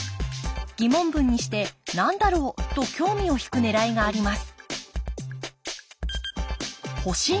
疑問文にして「何だろう？」と興味をひくねらいがあります